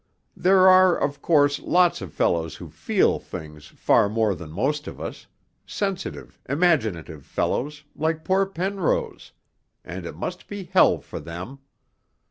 There are, of course, lots of fellows who feel things far more than most of us, sensitive, imaginative fellows, like poor Penrose and it must be hell for them.